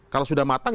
kalau sudah matang